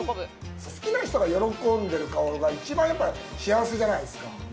好きな人が喜んでる顔が一番やっぱり幸せじゃないですか。